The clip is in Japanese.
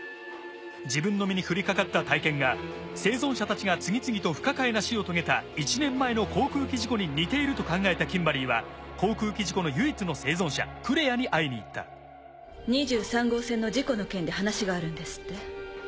自分の身に降りかかった体験が生存者たちが次々と不可解な死を遂げた１年前の航空機事故に似ていると考えたキンバリーは航空機事故の唯一の生存者クレアに会いに行った２３号線の事故の件で話があるんですって？